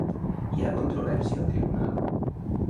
Hi ha controvèrsia al Tribunal?